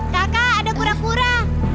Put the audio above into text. kakak ada kura kura